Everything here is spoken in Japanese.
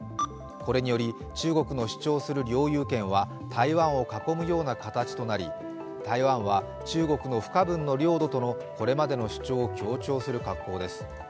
これにより中国の主張する領有権は台湾を囲むような形となり台湾は中国の不可分の領土とのこれまでの主張を強調する格好です。